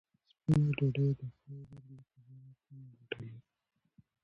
سپینه ډوډۍ د فایبر له کبله کمه ګټه لري.